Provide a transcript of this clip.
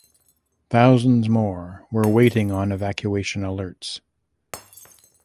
Thousands more were waiting on evacuation alerts.